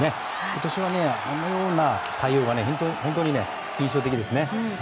今年はあのような対応が本当に印象的ですね。